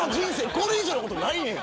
これ以上のことはないねんや。